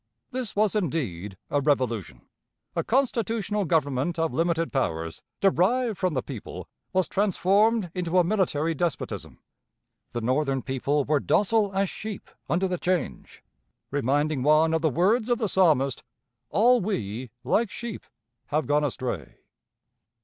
This was indeed a revolution. A constitutional government of limited powers derived from the people was transformed into a military despotism. The Northern people were docile as sheep under the change, reminding one of the words of the Psalmist: "All we, like sheep, have gone astray."